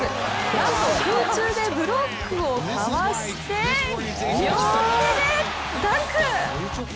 なんと空中でブロックをかわして両手でダンク！